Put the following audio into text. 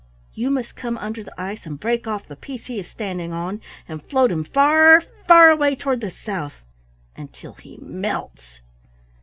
You must come under the ice and break off the piece he is standing on, and float him far, far away toward the South until he melts."